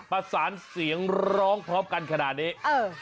ประสานเสียงร้องพร้อมกันขนาดนี้เออ